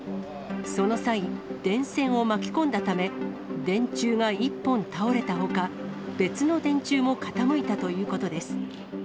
その際、電線を巻き込んだため、電柱が１本倒れたほか、別の電柱も傾いたということです。